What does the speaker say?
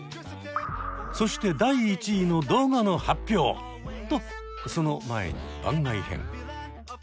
そして第１位の動画の発表！とその前に番外編。